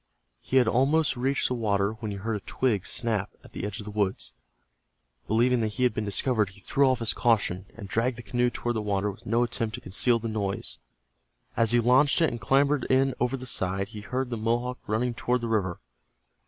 He had almost reached the water when he heard a twig snap at the edge of the woods. Believing that he had been discovered, he threw off his caution, and dragged the canoe toward the water with no attempt to conceal the noise. As he launched it and clambered in over the side, he heard the Mohawk running toward the river.